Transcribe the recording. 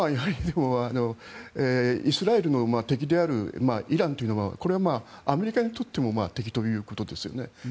イスラエルの敵であるイランというのはこれはアメリカにとっても敵ということですよね。